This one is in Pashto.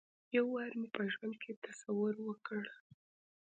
یو وار مې په ژوند کې تصور وکړ.